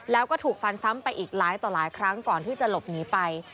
แล้วก็ถูกฟันซ้ำไปอีกหลายต่อหลายครั้งก่อนที่จะหลบหนีไป